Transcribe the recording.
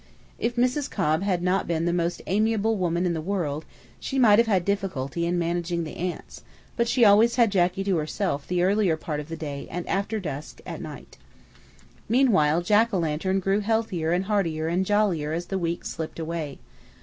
If Mrs. Cobb had not been the most amiable woman in the world she might have had difficulty in managing the aunts, but she always had Jacky to herself the earlier part of the day and after dusk at night. Meanwhile Jack o' lantern grew healthier and heartier and jollier as the weeks slipped away.